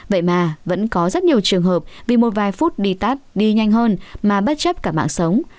vậy mà vẫn có rất nhiều trường hợp vì một vài phút đi tát đi nhanh hơn mà bất chấp cả mạng sống